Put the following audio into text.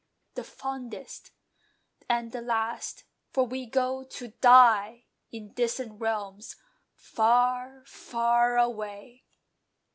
the fondest, and the last; For we go to DIE in distant realms Far, far away!